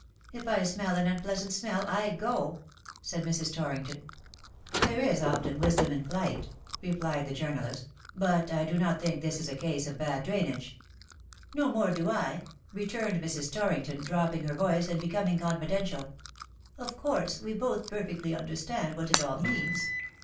If I smell an unpleasant smell I go/' said Mrs. Torrington. ^^ There is often wisdom in flight,'' replied the journalist ;" but I do not think this is a case of bad drainage.'' " No more do 1/^ returned Mrs. Torrington, TEARS AND TREASONS. 305 dropping her voice and becoming confidential ;^' of course we both perfectly understand what it all means.